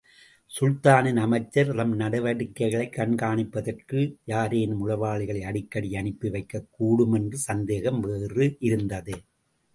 சுல்தானின் அமைச்சர், தம் நடவடிக்கைகளைக் கண்காணிப்பதற்கு, யாரேனும் உளவாளிகளை அடிக்கடி அனுப்பி வைக்கக்கூடும் என்ற சந்தேகம் வேறு இருந்தது.